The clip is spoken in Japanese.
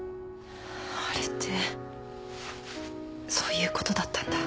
あれってそういうことだったんだ。